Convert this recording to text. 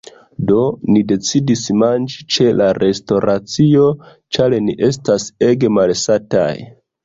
Do, ni decidis manĝi ĉe la restoracio ĉar ni estas ege malsataj